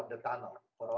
bagi kita semua